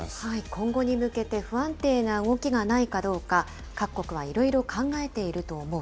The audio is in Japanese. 今後に向けて不安定な動きがないかどうか、各国はいろいろ考えていると思う。